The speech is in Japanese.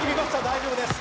大丈夫です